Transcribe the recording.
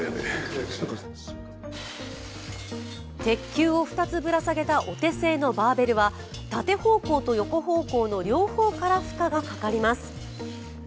鉄球を２つぶら下げたお手製のバーベルは縦方向と横方向の両方から負荷がかかります。